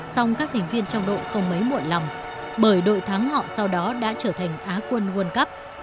song các thành viên trong đội không mấy muộn lòng bởi đội thắng họ sau đó đã trở thành á quân world cup